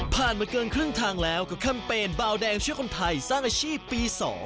มาเกินครึ่งทางแล้วกับแคมเปญบาวแดงช่วยคนไทยสร้างอาชีพปี๒